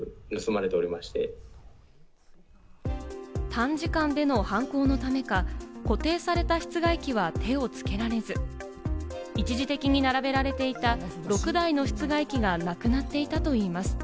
短時間での犯行のためか、固定された室外機は手をつけられず、一時的に並べられていた６台の室外機がなくなっていたといいます。